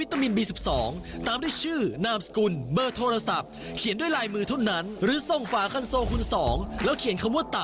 ต้องทำอย่างไรไปดูกติกากันเลย